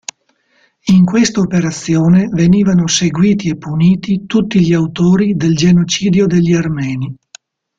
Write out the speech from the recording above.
In questa operazione venivano seguiti e puniti tutti gli autori del genocidio degli armeni.